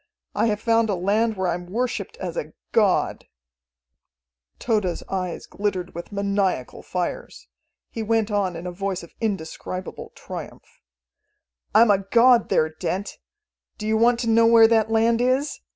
I have found a land where I am worshipped as a god." Tode's eyes glittered with maniacal fires. He went on in a voice of indescribable triumph: "I'm a god there, Dent. Do you want to know where that land is?